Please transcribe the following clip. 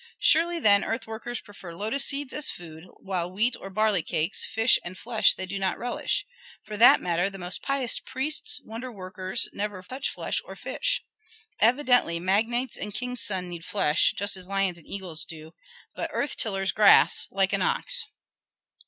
Surely then earth workers prefer lotus seeds as food, while wheat or barley cakes, fish and flesh they do not relish. For that matter, the most pious priests, wonder workers, never touch flesh or fish. Evidently magnates and king's sons need flesh, just as lions and eagles do; but earth tillers grass, like an ox.